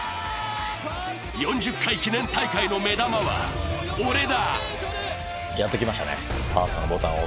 ４０回記念大会の目玉は俺だ！